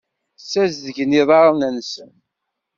Ssazedgen iḍarren-nsen.